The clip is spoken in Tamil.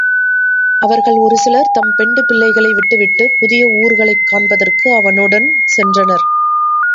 அவர்களுள் ஒரு சிலர் தம் பெண்டு பிள்ளைகளை விட்டுவிட்டுப் புதிய ஊர்களைக் காண்பதற்கு அவனுடன் சென்றனர்.